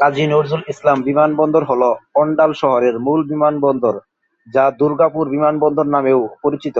কাজী নজরুল ইসলাম বিমানবন্দর হল অণ্ডাল শহরের মূল বিমানবন্দর, যা দুর্গাপুর বিমানবন্দর নামেও পরিচিত।